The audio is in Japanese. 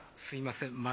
すみません。